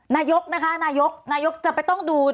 นายกนะคะนายกนายกจะไปต้องดู